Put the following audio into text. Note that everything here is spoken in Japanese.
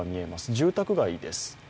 住宅街です。